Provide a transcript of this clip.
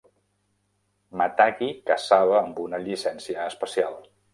Matagi caçava amb una llicència especial.